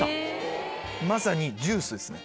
まさにジュースですね。